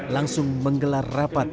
langsung menggelar rapat